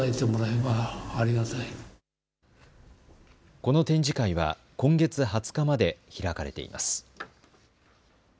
この展示会は今月２０日まで開かれています。